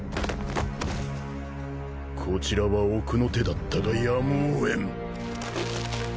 こちらは奥の手だったがやむを得ん。